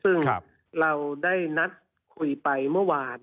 ซึ่งเราได้นัดคุยไปเมื่อวาน